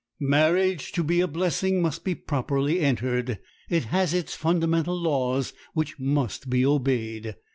Marriage, to be a blessing, must be properly entered. It has its fundamental laws, which must be obeyed.